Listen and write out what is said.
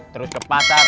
terus ke pasar